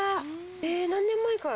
えー、何年前から？